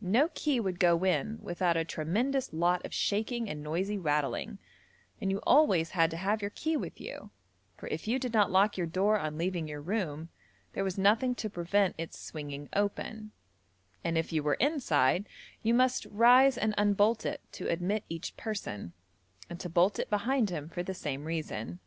No key would go in without a tremendous lot of shaking and noisy rattling, and you always had to have your key with you, for if you did not lock your door on leaving your room there was nothing to prevent its swinging open; and if you were inside you must rise and unbolt it to admit each person, and to bolt it behind him for the same reason.